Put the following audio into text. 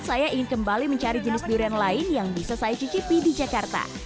saya ingin kembali mencari jenis durian lain yang bisa saya cicipi di jakarta